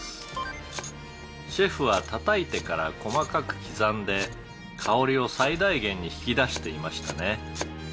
「シェフは叩いてから細かく刻んで香りを最大限に引き出していましたね」